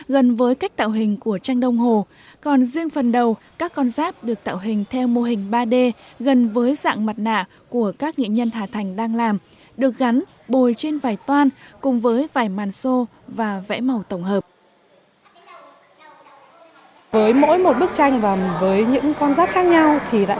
với mỗi một bức tranh và với những con rác khác nhau thì lại có những gam màu sắc và cũng như là hình ảnh có sự đặc trưng khác nhau